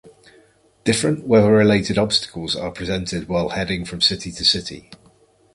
Different weather-related obstacles are presented while heading from city to city.